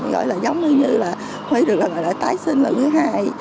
gọi là giống như như là quay được là gọi là tái sinh là thứ hai